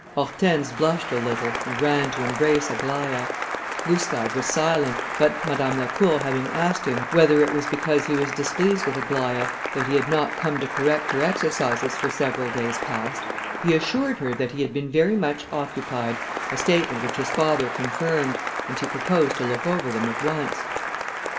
Hortense blushed a little, and ran to embrace Aglaïa; Gustave was silent, but Madame Lacour having asked him, whether it was because he was displeased with Aglaïa, that he had not come to correct her exercises for several days past, he assured her that he had been very much occupied, a statement which his father confirmed, and he proposed to look over them at once.